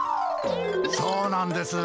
そうなんです。